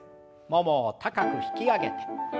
ももを高く引き上げて。